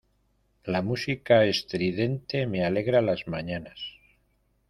La música estridente me alegra las mañanas.